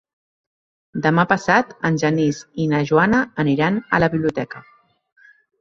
Demà passat en Genís i na Joana aniran a la biblioteca.